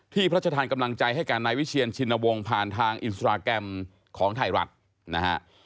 พระชธานกำลังใจให้กับนายวิเชียนชินวงศ์ผ่านทางอินสตราแกรมของไทยรัฐนะฮะ